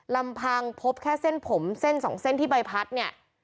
ลำพังพบแค่เส้นผมเส้นสองเส้นที่ใบพัดเนี่ย